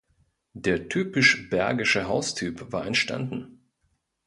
Der typisch bergische Haustyp war entstanden.